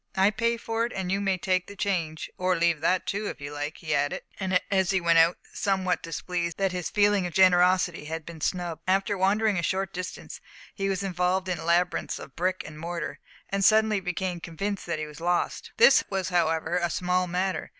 I pay for it, and you may take the change or leave that too if you like," he added, as he went out, somewhat displeased that his feeling of generosity had been snubbed. After wandering a short distance he was involved in labyrinths of brick and mortar, and suddenly became convinced that he was lost. This was however a small matter.